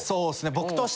僕としては。